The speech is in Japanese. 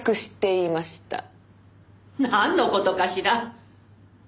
なんの事かしら？